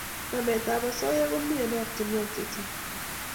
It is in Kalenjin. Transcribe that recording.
Nametab osoya komi eng oratinwek chechang